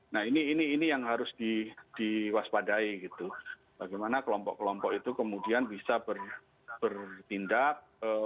nah ini yang harus diwaspadai gitu bagaimana kelompok kelompok itu kemudian bisa bertindak